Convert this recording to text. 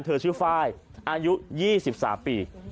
เธอชื่อไฟล์อายุ๒๓ปี